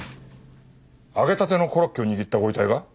揚げたてのコロッケを握ったご遺体が？